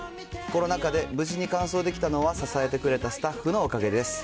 コロナ禍で無事に完走できたのは、支えてくれたスタッフのおかげです。